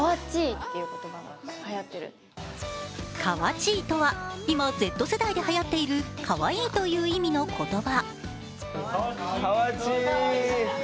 ちぃとは今Ｚ世代ではやっているかわいいという意味の言葉。